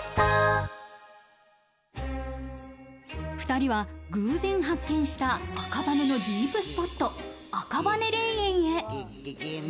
２人は偶然発見した赤羽のディープスポット・赤羽霊園へ。